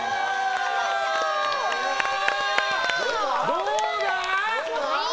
どうだ？